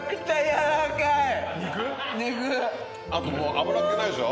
あぶらっ気ないでしょ？